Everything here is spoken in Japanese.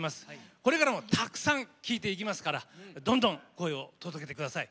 これからもたくさん聴いていきますからどんどん声を届けてください。